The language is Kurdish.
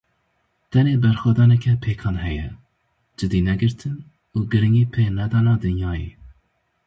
Tenê berxwedaneke pêkan heye; cidînegirtin û giringîpênedana dinyayê.